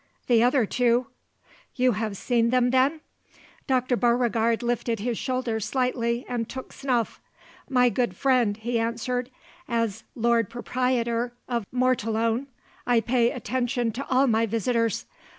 The other two " "You have seen them, then?" Dr. Beauregard lifted his shoulders slightly, and took snuff. "My good friend," he answered, "as lord proprietor of Mortallone, I pay attention to all my visitors.